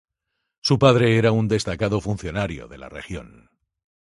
Su padre era un destacado funcionario de la región.